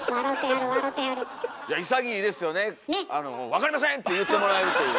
「わかりません！」って言ってもらえるという。